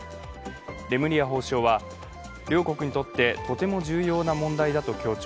レムリヤ法相は、両国にとってとても重要な問題だと強調。